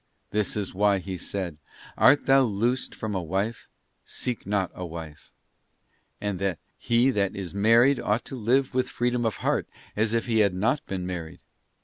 This is why he said: 'Art thou loosed from a wife ? seek not a wife.'{ He that is married ought to live with freedom of heart, as if he had not been married.